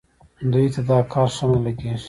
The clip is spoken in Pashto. دوی ته دا کار ښه نه لګېږي.